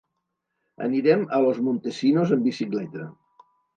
Anirem a Los Montesinos amb bicicleta.